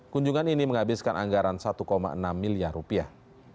kunjungan ini menghabiskan anggaran satu enam miliar rupiah